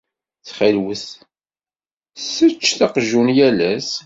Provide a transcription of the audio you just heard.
Ttxil-wet sseččet aqjun yal ass.